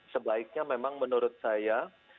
sebaiknya memang menurut saya